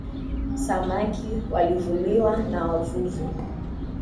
Samaki walivuliwa na wavuvi